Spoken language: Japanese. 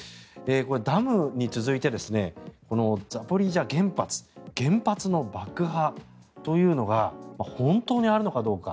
ダムに続いて、ザポリージャ原発原発の爆破というのは本当にあるのかどうか。